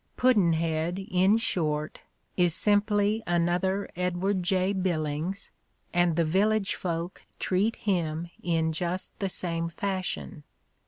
Pudd'nhead, in short, is sim ply another Edward J. Billings and the village folk treat him in just the same fashion.